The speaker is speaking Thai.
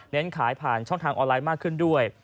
ขายผ่านช่องทางออนไลน์มากขึ้นด้วย